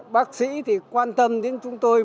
bác sĩ thì quan tâm đến chúng tôi